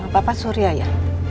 bapak surya ya